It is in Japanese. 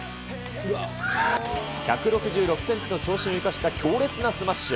１６６センチの長身を生かした強烈なスマッシュ。